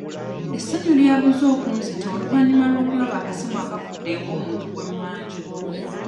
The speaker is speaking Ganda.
Essanyu lyabuze okunzita oluvannyuma lw'okulaba akasimu akaavudde ew'omuntu gwe mmanja.